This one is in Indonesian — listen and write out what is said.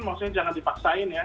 maksudnya jangan dipaksain ya